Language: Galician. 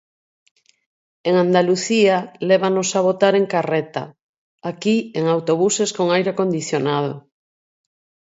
En Andalucía lévanos a votar en carreta, aquí en autobuses con aire acondicionado.